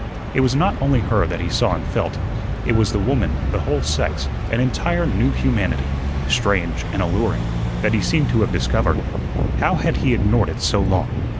It was not only her that he saw and felt, it was the woman, the whole sex, an entire new humanity, strange and alluring, that he seemed to have discovered. How had he ignored it so long?